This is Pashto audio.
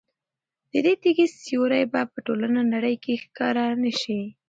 د دې تیږې سیوری به په ټوله نړۍ کې ښکاره نه شي.